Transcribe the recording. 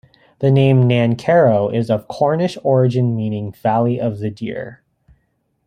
The name Nancarrow is of Cornish origin meaning "valley of the deer".